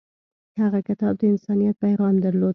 هغه کتاب د انسانیت پیغام درلود.